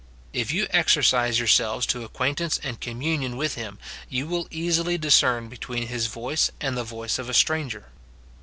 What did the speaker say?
If you exercise yourselves to acquaintance and communion with him, you will easily discern between his voice and the voice of a stranger.